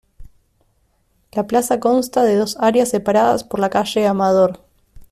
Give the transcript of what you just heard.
La plaza consta de dos áreas separadas por la calle Amador.